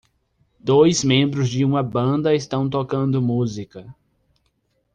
Dois membros de uma banda estão tocando música.